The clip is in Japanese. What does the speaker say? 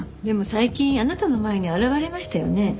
でも最近あなたの前に現れましたよね？